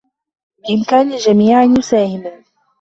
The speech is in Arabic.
بإمكان الجميع أن يساهموا.